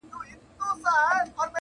• زړه طالب کړه د الفت په مدرسه کي..